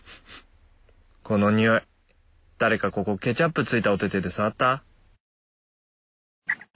このにおい誰かここケチャップついたおててで触った？